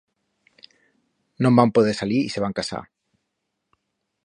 No'n van poder salir y se van casar.